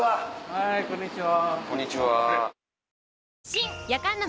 はいこんにちは。